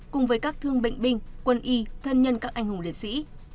cùng với các thương bệnh binh quân y thân nhân các anh hùng liệt sĩ